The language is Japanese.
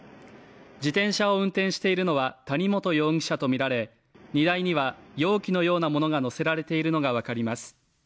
自転車を運転しているのは、谷本容疑者とみられ荷台には容器のようなものが載せられているのが分かります。